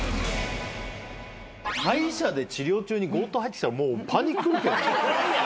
歯医者で治療中に強盗入ってきたらもうパニくるけどね。